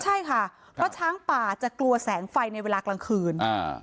ใช่ค่ะเพราะช้างป่าจะกลัวแสงไฟในเวลากลางคืน